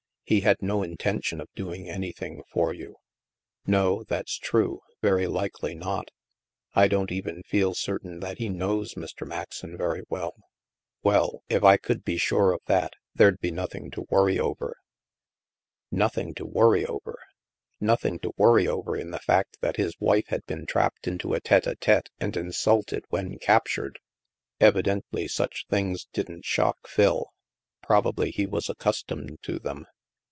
He had no intention of doing anything for you." '* No, that's true. Very likely not." *'I don't even feel certain that he knows Mr, Maxon very well." " Well, if I could be sure of that, there'd be noth ing to worry over." Nothing to worry over ! Nothing to worry over, in the fact that his wife had been trapped into a tete drtete and insulted when captured! Evidently such things didn't shock Phil. Probably he was ac customed to them.